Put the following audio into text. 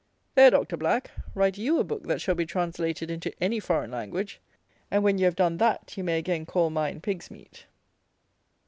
There, Doctor Black. Write you a book that shall be translated into any foreign language; and when you have done that, you may again call mine "pig's meat."